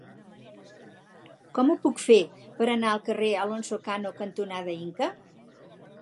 Com ho puc fer per anar al carrer Alonso Cano cantonada Inca?